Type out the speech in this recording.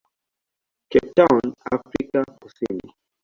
Cape Town, Afrika Kusini.